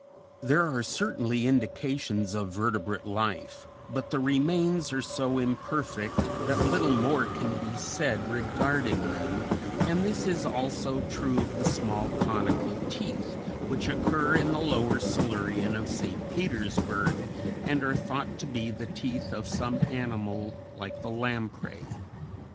There are certainly indications of vertebrate life, but the remains are so imperfect that little more can be said regarding them, and this is also true of the small conical teeth which occur in the Lower Silurian of St. Petersburg, and are thought to be the teeth of some animal like the lamprey.